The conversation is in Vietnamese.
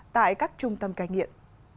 tại các trung tâm cai nghiện